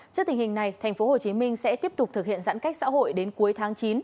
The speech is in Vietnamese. trước tình hình này thành phố hồ chí minh sẽ tiếp tục thực hiện giãn cách xã hội đến cuối tháng chín